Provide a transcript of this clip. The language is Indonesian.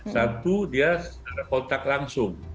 satu dia kontak langsung